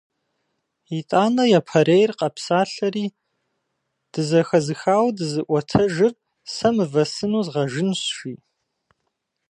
Итӏанэ япэрейр къэпсалъэри: - Дызэхэзыхауэ дызыӏуэтэжыр сэ мывэ сыну згъэжынщ!- жи.